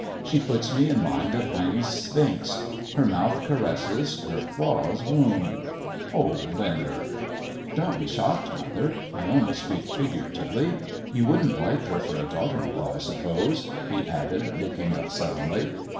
" She puts me in mind of Heine's Sphinx. Her mouth caresses, her claws wound." " Oh, Leonard !"Don't be shocked, mother. I only speak figuratively. You wouldn't like her for a daughter in law, I suppose]" he added, looking up suddenly.